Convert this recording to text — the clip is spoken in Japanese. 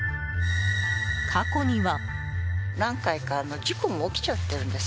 過去には。